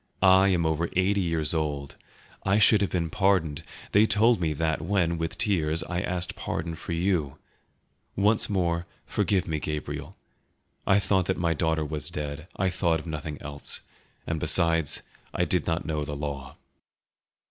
I am over eighty years old; I should have been pardoned; they told me that when, with tears, I asked pardon for you; once more, forgive me, Gabriel; I thought my daughter was dead; I thought of nothing else; and besides, I did not know the law."